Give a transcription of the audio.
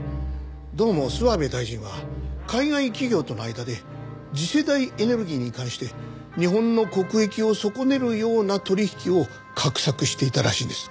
どうも諏訪部大臣は海外企業との間で次世代エネルギーに関して日本の国益を損ねるような取引を画策していたらしいです。